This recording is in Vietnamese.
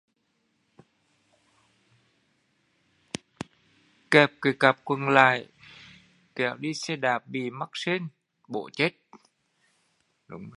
Kẹp cái cạp quần lại kẻo đi xe đạp bị mắc sên, bổ chết